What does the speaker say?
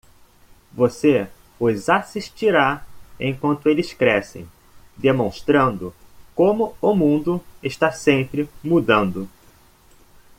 Você os assistirá enquanto eles crescem demonstrando como o mundo está sempre mudando.